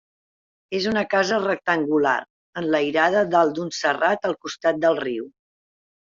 És una casa rectangular, enlairada dalt d'un serrat, al costat del riu.